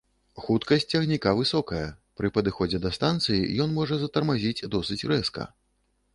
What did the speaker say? Хуткасць цягніка высокая, пры падыходзе да станцыі ён можа затармазіць досыць рэзка.